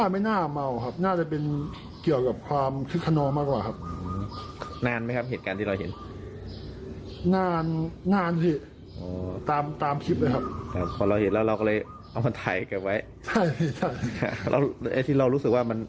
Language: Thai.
มันเป็นอาการขับเรือชิวไหมเรียกไว้ยังไง